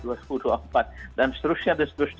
dan seterusnya dan seterusnya